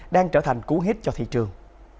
đang trở thành cú hít cho thị trường